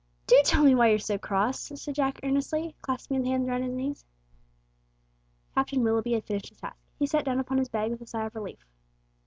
"Do tell me why you're so cross," said Jack earnestly, clasping his hands round his knees. Captain Willoughby had finished his task. He sat down upon his bag with a sigh of relief.